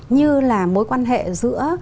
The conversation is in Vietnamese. như là mối quan hệ giữa